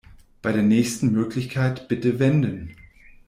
Bei der nächsten Möglichkeit bitte wenden.